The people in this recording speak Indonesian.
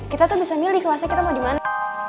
kita tuh bisa milih kelasnya kita mau dimana